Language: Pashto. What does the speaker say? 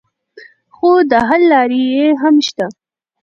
خو د حل لارې یې هم شته.